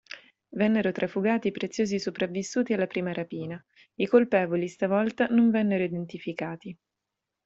Vennero trafugati i preziosi sopravvissuti alla prima rapina: i colpevoli stavolta non vennero identificati.